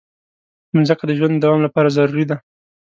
مځکه د ژوند د دوام لپاره ضروري ده.